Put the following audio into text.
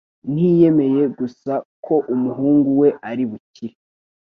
Ntiyemeye gusa ko umuhungu we ari bukire,